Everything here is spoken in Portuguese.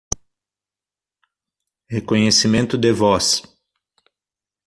Reconhecimento de voz.